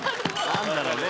何だろうね？